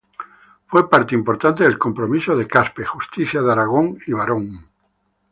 Fue parte importante del Compromiso de Caspe, Justicia de Aragón y barón.